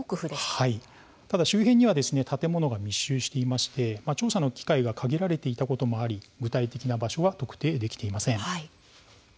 ただ、周辺には建物が密集し調査の機会が限られていたこともあり具体的な場所は特定できていません。